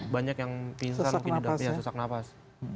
banyak yang pingsan susah nafas